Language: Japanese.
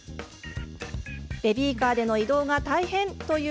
ベビーカーでの移動が大変！という